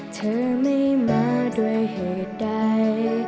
เธอไม่มาด้วยเหตุใด